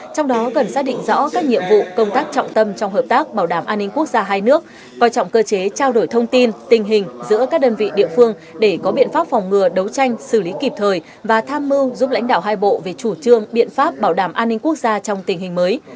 trong đó cần xác định rõ các nhiệm vụ công tác trọng tâm trong hợp tác bảo đảm an ninh quốc gia hai nước coi trọng cơ chế trao đổi thông tin tình hình giữa các đơn vị địa phương để có biện pháp phòng ngừa đấu tranh xử lý kịp thời và tham mưu giúp lãnh đạo hai bộ về chủ trương biện pháp bảo đảm an ninh quốc gia trong tình hình mới